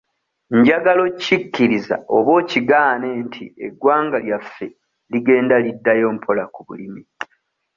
Njagala okikkiriza oba okigaane nti eggwanga lyaffe ligenda liddayo mpola ku bulimi.